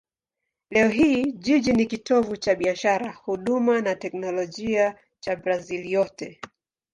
Leo hii jiji ni kitovu cha biashara, huduma na teknolojia cha Brazil yote.